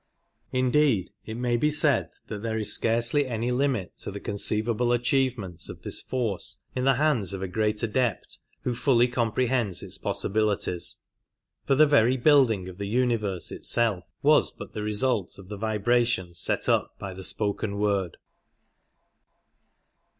Indeed, it may be said that there is scarcely any limit to the conceivable achievements of this force in the hands of a great Adept Who fully comprehends its possibilities ; for the very building of the Universe itself was but the result of the vibrations set up by the Spoken Word.